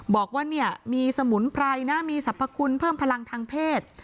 บอกว่าเนี่ยมีสมุนไพรนะมีสรรพคุณเพิ่มพลังทางเพศ